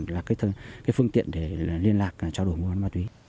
và cái phương tiện để liên lạc cho đối môn ma túy